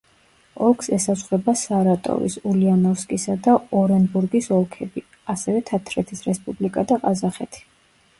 ოლქს ესაზღვრება სარატოვის, ულიანოვსკისა, და ორენბურგის ოლქები, ასევე თათრეთის რესპუბლიკა და ყაზახეთი.